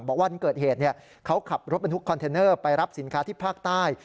วันเกิดเหตุเขาขับรถบรรทุกคอนเทนเนอร์ไปรับสินค้าที่ภาคใต้